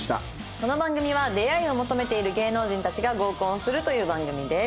この番組は出会いを求めている芸能人たちが合コンをするという番組です。